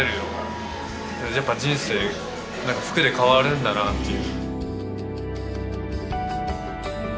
やっぱ人生服で変わるんだなっていう。